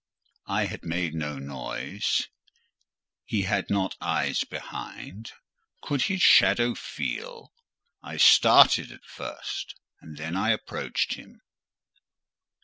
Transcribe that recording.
I had made no noise: he had not eyes behind—could his shadow feel? I started at first, and then I approached him.